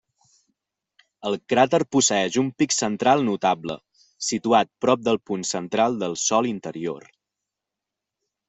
El cràter posseeix un pic central notable, situat prop del punt central del sòl interior.